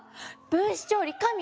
分子調理神！